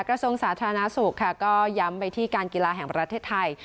กระทรวงสาธารณสุขค่ะก็ย้ำไปที่การกีฬาแห่งประเทศไทย